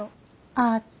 「ああ」って？